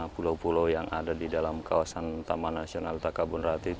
pulau pulau yang ada di dalam kawasan taman nasional takabun rate